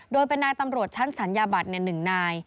โดยเป็นนายตำรวจชั้นสัญญาบัตร๑นาย